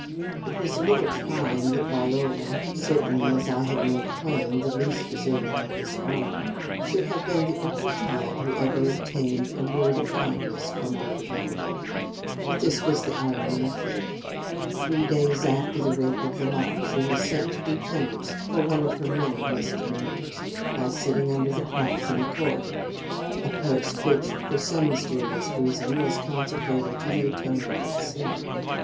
It was a little trying that Viola certainly, as I have made plain, the least deserving of us all should have been the only child who ever obtained a word of kindness from our divinity. But this was the irony of fate. Three days after the rape of the lock, she was sent to do penance for one of her 237 In Our Convent Days many misdemeanours by sitting under the clock in the corridor, a post which, for some mysterious reason, was con secrated to the atonement of sin.